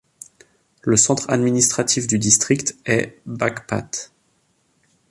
Le centre administratif du district est Baghpat.